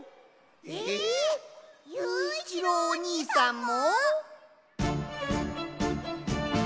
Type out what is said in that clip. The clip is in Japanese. えっゆういちろうおにいさんも！？